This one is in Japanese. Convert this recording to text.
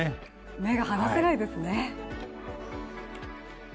目が離せないですね。